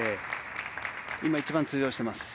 今一番通用しています。